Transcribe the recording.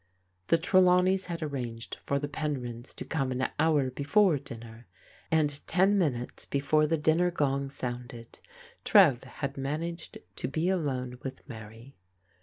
The Trelawneys had arranged for the Penryns to come an hour before dinner, and ten minutes before the dinner gong sounded Trev had managed to be alone with Mary.